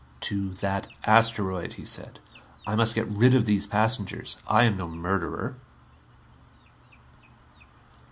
"To that asteroid," he said. "I must get rid of these passengers. I am no murderer."